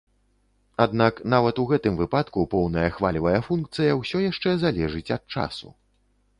Аднак, нават у гэтым выпадку поўная хвалевая функцыя ўсё яшчэ залежыць ад часу.